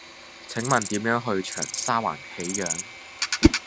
請問點樣去長沙灣喜漾